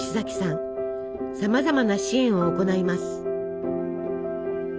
さまざまな支援を行います。